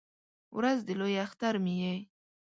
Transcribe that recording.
ورځ د لوی اختر مې یې